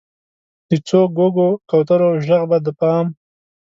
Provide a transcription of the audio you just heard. د څو ګوګو، کوترو ږغ به د بام،